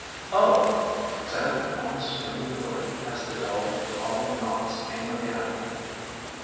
——" "Oh!"—Sandy almost screamed the word as the dull, hollow knocks came again.